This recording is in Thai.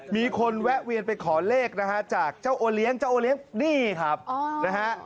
มีคนแวะเวียนไปขอเลขนะฮะจากเจ้าโอเลี้ยงนี่ครับนะฮะ